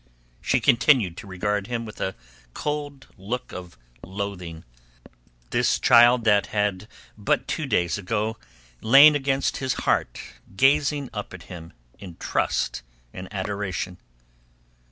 She continued to regard him with a cold look of loathing, this child that but two days ago had lain against his heart gazing up at him in trust and adoration.